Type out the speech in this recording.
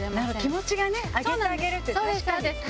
気持ちがね上げてあげるって確かに。